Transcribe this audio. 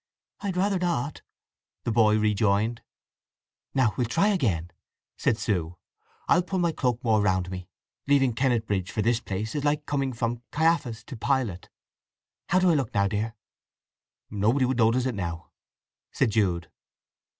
"I'd rather not!" the boy rejoined. "Now we'll try again," said Sue. "I'll pull my cloak more round me… Leaving Kennetbridge for this place is like coming from Caiaphas to Pilate! … How do I look now, dear?" "Nobody would notice it now," said Jude.